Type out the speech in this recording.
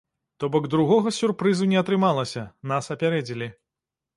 То бок другога сюрпрызу не атрымалася, нас апярэдзілі.